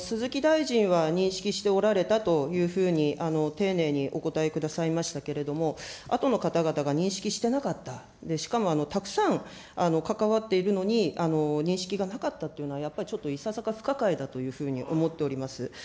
鈴木大臣は認識しておられたというふうに丁寧にお答えくださいましたけれども、あとの方々が認識してなかった、で、しかもたくさん関わっているのに、認識がなかったというのは、やっぱりちょっといささか不可解だというふうに思っております。